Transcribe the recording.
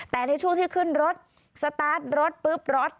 แต่ในช่วงที่ขึ้นรถสตาร์ทรถปุ๊บรถ